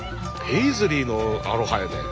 ペイズリーのアロハやで。